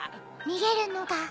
逃げるのか？